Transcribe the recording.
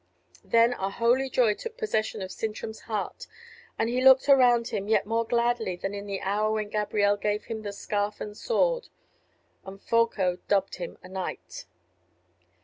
Then a holy joy took possession of Sintram's heart, and he looked around him yet more gladly than in the hour when Gabrielle gave him the scarf and sword, and Folko dubbed him knight.